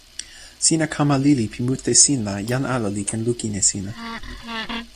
sina kama lili pi mute sin la jan ala li ken lukin e sina.